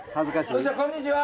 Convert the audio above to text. こんにちは。